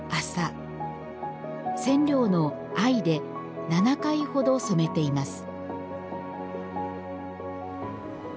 染料の藍で７回ほど染めています